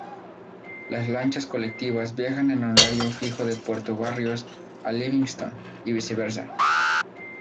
Las lanchas colectivas viajan en horario fijo de Puerto Barrios a Livingston y viceversa.